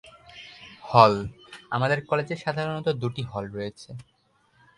হলঃ আমাদের কলেজে সাধারণত দুটি হল রয়েছে।